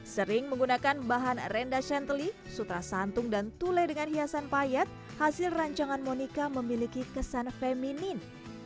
sering menggunakan bahan renda shantly sutra santung dan tule dengan hiasan payat hasil rancangan monica memiliki kesan feminin